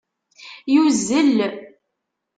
Yuzel